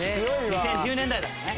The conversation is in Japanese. ２０１０年代だもんね。